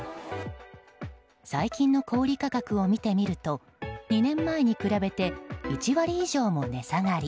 最近の小売価格を見てみると２年前に比べて１割以上も値下がり。